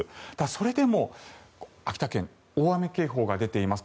それでも、秋田県大雨警報が出ています。